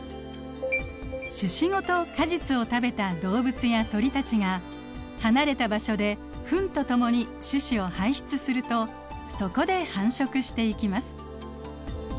種子ごと果実を食べた動物や鳥たちが離れた場所でフンと共に種子を排出するとそこで繁殖していきます。